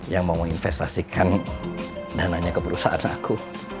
yang mau menginvestasikan dananya ke perusahaan aku